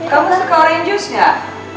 kamu suka oranye juice gak